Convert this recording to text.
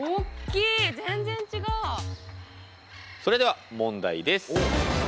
それでは問題です。